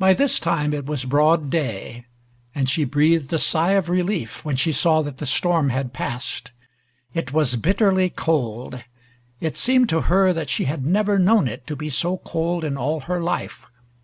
By this time it was broad day, and she breathed a sigh of relief when she saw that the storm had passed. It was bitterly cold. It seemed to her that she had never known it to be so cold in all her life.